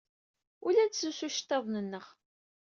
Ur la nettlusu iceḍḍiḍen-nneɣ.